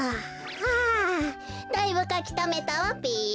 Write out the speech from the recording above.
はあだいぶかきためたわべ。